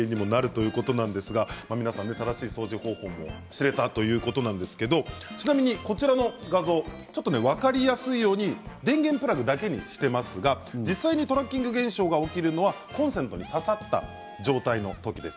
皆さん、正しい掃除方法を知れたということなんですけどもちなみにこの画像分かりやすいように電源プラグだけにしていますが実際、トラッキング現象が起きるのはコンセントに刺さった状態の時です。